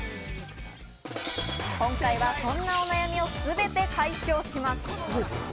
今回は、そんなお悩みを全て解消します。